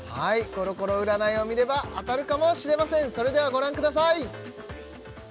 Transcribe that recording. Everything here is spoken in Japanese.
コロコロ占いを見れば当たるかもしれませんそれではご覧ください